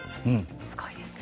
すごいですね！